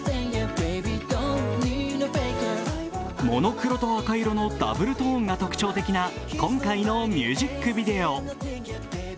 モノクロと赤色のダブルトーンが特徴的な今回のミュージックビデオ。